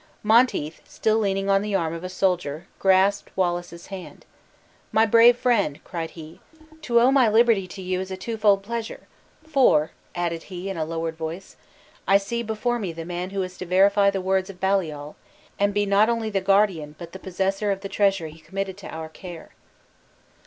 Monteith, still leaning on the arm of a soldier, grasped Wallace's hand. "My brave friend!" cried he, "to owe my liberty to you is a twofold pleasure; for," added he, in a lowered voice, "I see before me the man who is to verify the words of Baliol; and be not only the guardian, but the possessor of the treasure he committed to our care!"